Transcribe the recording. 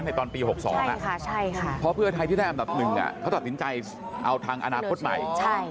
ตอนปี๖๒เพราะเพื่อไทยที่ได้อันดับหนึ่งเขาตัดสินใจเอาทางอนาคตใหม่